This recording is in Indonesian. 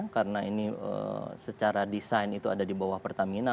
karena ini secara desain itu ada di bawah pertamina